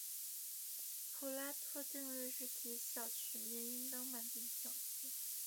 普拉托定律是极小曲面应当满足的条件。